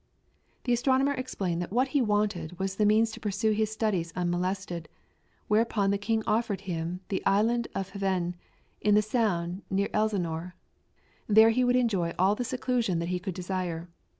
The astronomer explained that what he wanted was the means to pursue his studies unmolested, whereupon the king offered him the Island of Hven, in the Sound near Elsinore. There he would enjoy all the seclusion that he could desire.